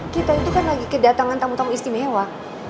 kita itu kan lagi kedatangan tamu tamu istimewa